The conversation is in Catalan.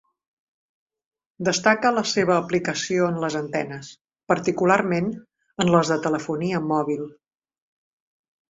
Destaca la seva aplicació en les antenes, particularment en les de telefonia mòbil.